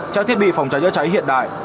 cho thiết bị phòng cháy cháy hiện đại